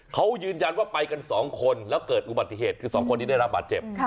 เขายืนยันว่าไปกันสองคนแล้วเกิดอุบัติเหตุคือสองคนที่ได้รับบาดเจ็บ